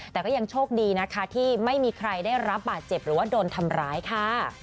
แต่ก็ยังโชคดีนะคะที่ไม่มีใครได้รับบาดเจ็บหรือว่าโดนทำร้ายค่ะ